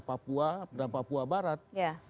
papua dan papua barat